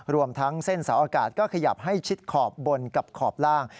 รวมทั้งเส้นเสาอากาศก็ขยับให้ชิดขอบบนกับขอบล่าง